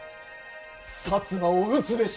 摩を討つべし。